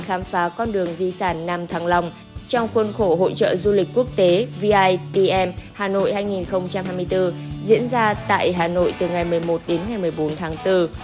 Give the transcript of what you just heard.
khám phá con đường di sản nam thăng long trong khuôn khổ hội trợ du lịch quốc tế vitm hà nội hai nghìn hai mươi bốn diễn ra tại hà nội từ ngày một mươi một đến ngày một mươi bốn tháng bốn